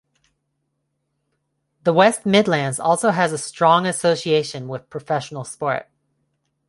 The West Midlands also has a strong association with professional sport.